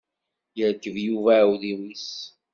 Yerkeb Yuba aɛudiw-is.